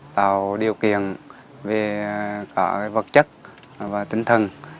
tạo điều kiện về vật chất và tinh thần